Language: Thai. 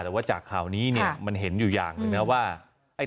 แต่ว่าจากข่าวนี้เนี่ยมันเห็นอยู่อย่างหนึ่งนะว่า